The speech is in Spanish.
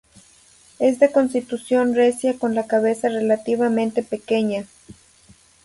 Es de constitución recia con la cabeza relativamente pequeña.